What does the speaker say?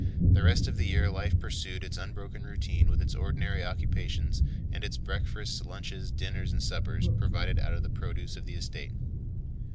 The rest of the year life pursued its unbroken routine with its ordinary occupations, and its breakfasts, lunches, dinners, and suppers, provided out of the produce of the estate.